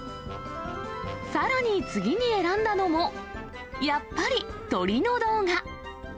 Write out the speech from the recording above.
さらに次に選んだのも、やっぱり鳥の動画。